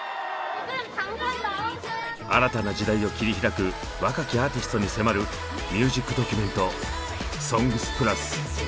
新たな時代を切り開く若きアーティストに迫るミュージックドキュメント「ＳＯＮＧＳ＋ＰＬＵＳ」。